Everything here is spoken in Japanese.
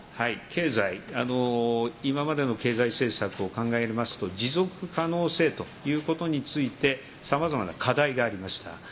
経済今までの経済政策を考えますと持続可能性ということについてさまざまな課題がありました。